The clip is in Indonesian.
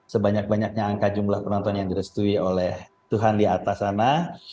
sebanyak banyaknya angka jumlah penonton yang direstui oleh tuhan di atas sana